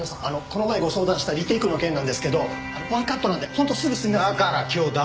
この前相談したリテイクの件なんですけどワンカットなんで本当すぐ済みますんで。